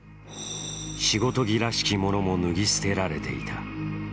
仕事着らしきものも脱ぎ捨てられていた。